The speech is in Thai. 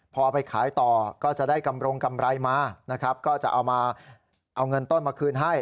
พอไปขายต่อก็จะได้กำรงกำไรมานะครับก็จะเอามาเอาเงินต้นมาคืนให้